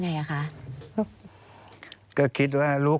ควิทยาลัยเชียร์สวัสดีครับ